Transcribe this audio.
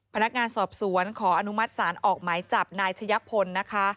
พนักงานสอบสวนขออนุมัติศาลออกหมายจับนายชะยะพลนะคะ